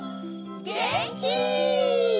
げんき！